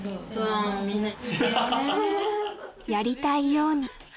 「やりたいように」